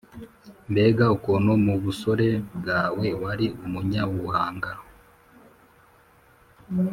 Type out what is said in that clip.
Mbega ukuntu mu busore bwawe wari umunyabuhanga,